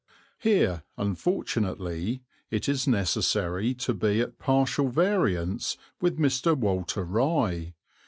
Here, unfortunately, it is necessary to be at partial variance with Mr. Walter Rye.